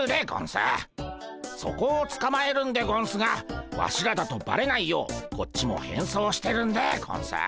そこをつかまえるんでゴンスがワシらだとバレないようこっちも変装してるんでゴンス。